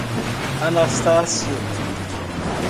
Anastácio